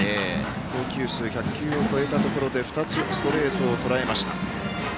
投球数１００球を超えたところで２つストレートをとらえました。